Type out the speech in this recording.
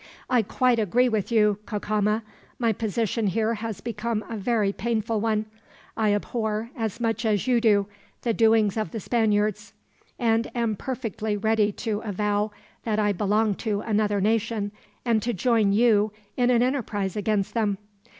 "I quite agree with you, Cacama. My position here has become a very painful one. I abhor, as much as you do, the doings of the Spaniards; and am perfectly ready to avow that I belong to another nation, and to join you in an enterprise against them."